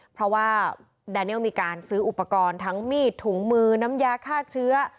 เพราะว่าแดเนียลมีการซื้ออุปกรณ์ทั้งมีดถุงมือน้ำยาฆ่าเชื้อ